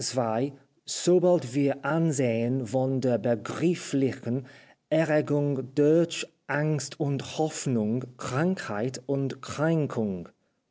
2, sobald wir absehen von der begreiflichen Erre gung durch Angst und Hoffnung, Krankheit und Kraenkung."